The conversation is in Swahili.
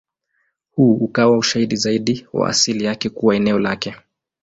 Huu ukawa ushahidi zaidi wa asili yake kuwa eneo lake.